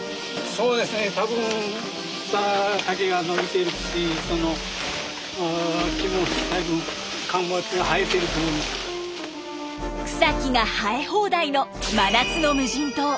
そうですね多分草木が生え放題の真夏の無人島。